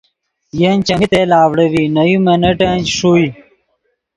ین چیمی تیل اڤڑے ڤی نے یو منٹن چے ݰوئے